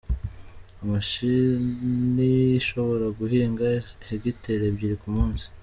Imashini ishobora guhinga hegitari ebyiri ku munsi.